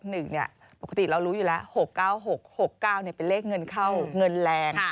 ปกติเรารู้อยู่แล้ว๖๙๖๖๙เป็นเลขเงินเข้าเงินแรง